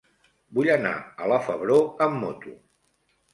Vull anar a la Febró amb moto.